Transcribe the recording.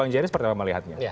jadi seperti apa melihatnya